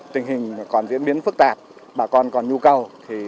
tình hình còn diễn biến phức tạp bà con còn nhu cầu